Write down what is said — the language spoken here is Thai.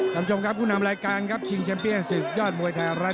ท่านผู้ชมครับผู้นำรายการครับชิงแชมเปียศึกยอดมวยไทยรัฐ